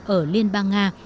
ở liên bang nga